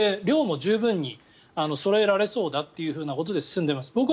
量も十分にそろえられそうだということで進んでいます。